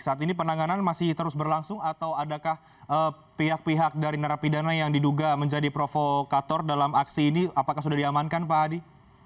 saat ini penanganan masih terus berlangsung atau adakah pihak pihak dari narapidana yang diduga menjadi provokator dalam aksi ini apakah sudah diamankan pak hadi